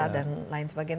dan lain sebagainya